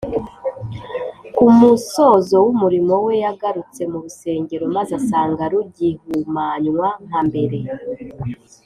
ku musozo w’umurimo we yagarutse mu rusengero, maze asanga rugihumanywa nka mbere